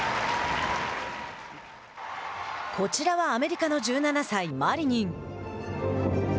こちらはアメリカの１７歳マリニン。